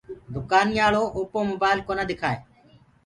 دُڪآنيآݪو اوپو موبآئل ڪونآ دِڪآئي۔